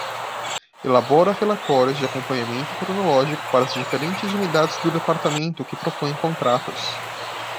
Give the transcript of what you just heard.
Elabora relatórios de acompanhamento cronológico para as diferentes unidades do Departamento que propõem contratos.